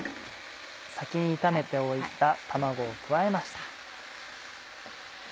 先に炒めておいた卵を加えました。